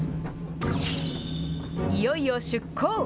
いよいよ出航。